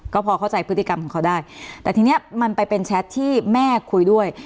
ก็พอเข้าใจพฤติกรรมของเขาได้แต่ทีนี้มันไปเป็นแชทที่แม่คุยด้วย